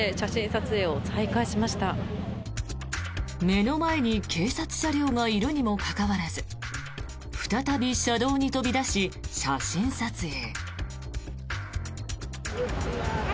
目の前に警察車両がいるにもかかわらず再び車道に飛び出し、写真撮影。